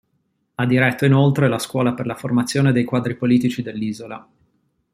Ha diretto inoltre la scuola per la formazione dei quadri politici dell'isola.